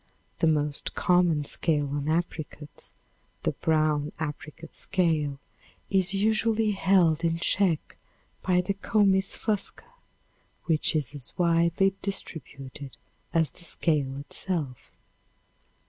The most common scale on apricots, the brown apricot scale, is usually held in check by the comys fusca, which is as widely distributed as the scale itself.